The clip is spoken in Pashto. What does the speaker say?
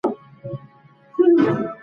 دا پروسه درې اونۍ وخت نیسي.